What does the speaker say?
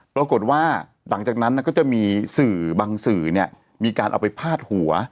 ปรากฏว่าหลังจากนั้นก็จะมีสื่อบางสื่อมีการเอาไปพาดหัว